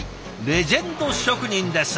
レジェンド職人です。